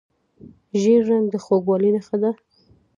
ژیړ رنګ د خوږوالي نښه ده.